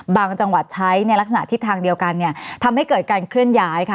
บางจังหวัดใช้ในลักษณะทิศทางเดียวกันเนี่ยทำให้เกิดการเคลื่อนย้ายค่ะ